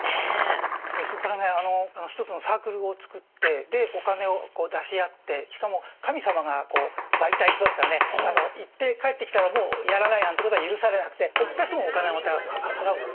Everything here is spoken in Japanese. それからね一つのサークルを作ってでお金を出し合ってしかも神様が媒体してますからね行って帰ってきたらもうやらないなんてことは許されなくて行った人もお金はまた払うわけです。